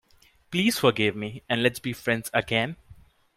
Please forgive me, and let's be friends again.